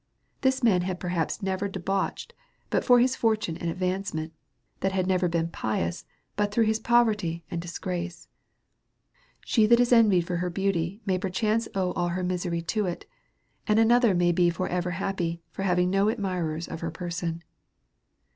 This m^n had perhaps never been debauched, but for his fortune and advar.cenient ; that had never been pious, but through his poverty and disgrace. She that is envied for her beauty may perchance owe all her misery to it ; and another may be for ever happy, for having had no admircss of her person.